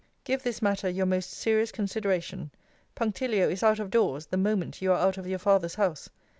Give this matter your most serious consideration. Punctilio is out of doors the moment you are out of your father's house.